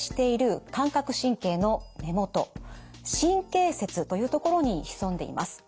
神経の根元神経節というところに潜んでいます。